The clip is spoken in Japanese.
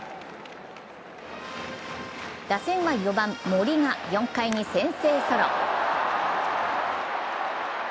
打線は４番・森が４回に先制ソロ。